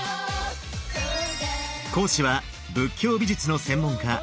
講師は仏教美術の専門家